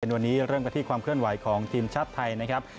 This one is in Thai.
วันนี้เริ่มกันที่ความเคลื่อนไหวของทีมชาติไทยนะครับ